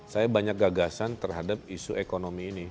saya banyak gagasan terhadap isu ekonomi ini